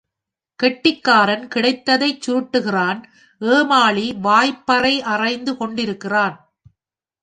கெட்டிக்காரன் கிடைத்ததைச் சுருட்டுகிறான் ஏமாளி வாய்ப் பறை அறைந்து கொண்டிருக்கிறான்.